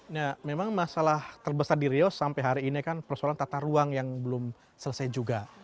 nah memang masalah terbesar di rio sampai hari ini kan persoalan tata ruang yang belum selesai juga